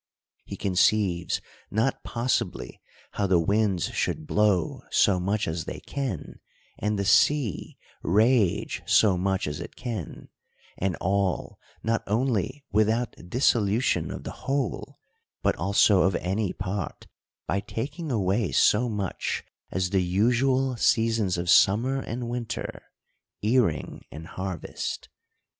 He conceives not possibly how the winds should blow so much as they can, and the sea rage so much as it can ; and all, not only with out dissolution of the whole, but also of any part, by taking away so much as the usual seasons of summer and winter, earing and harvest.